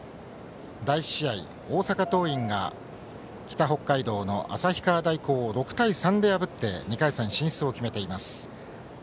第１試合、大阪桐蔭が北北海道の旭川大高を６対３で破って２回戦進出を決めています。